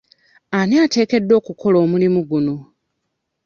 Ani ateekeddwa okukola omulimu guno?